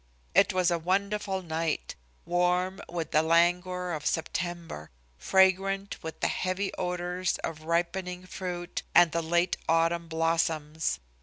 It was a wonderful night; warm, with the languor of September, fragrant with the heavy odors of ripening fruit and the late autumn blossoms.